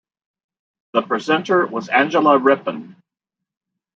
The presenter was Angela Rippon.